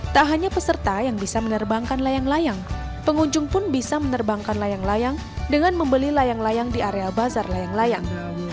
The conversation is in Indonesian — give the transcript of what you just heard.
tak hanya peserta yang bisa menerbangkan layang layang pengunjung pun bisa menerbangkan layang layang dengan membeli layang layang di area bazar layang layang